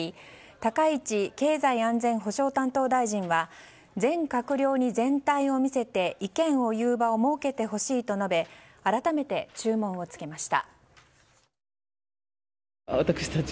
高市経済安全保障担当大臣は全閣僚に全体を見せて意見を言う場を設けてほしいと述べ改めて注文をつけました。